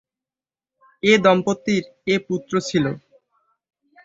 এ দম্পতির এ পুত্র ছিল।